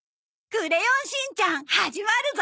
『クレヨンしんちゃん』始まるぞ。